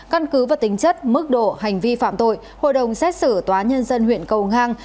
căn cứ và tính chất mức độ hành vi phạm tội hội đồng xét xử tòa nhân dân huyện cầu ngang